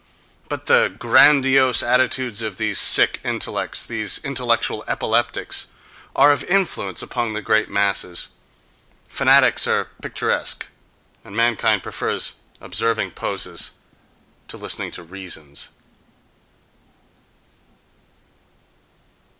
But the grandiose attitudes of these sick intellects, these intellectual epileptics, are of influence upon the great masses—fanatics are picturesque, and mankind prefers observing poses to listening to reasons....